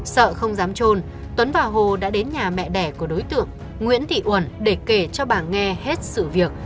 sợ không dám trôn tuấn và hồ đã đến nhà mẹ đẻ của đối tượng nguyễn thị uẩn để kể cho bà nghe hết sự việc